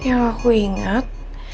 yang aku inget